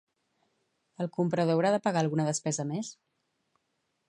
El comprador haurà de pagar alguna despesa més?